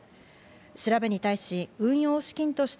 調べに対し運用資金として